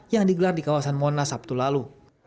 yang digelar di kawasan monas sabtu lalu